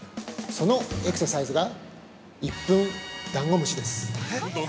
そのエクササイズが「１分ダンゴムシ」です。